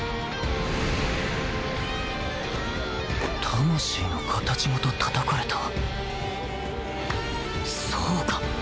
魂の形ごとたたかれた。